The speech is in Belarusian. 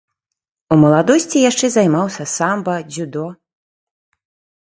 У маладосці яшчэ займаўся самба, дзюдо.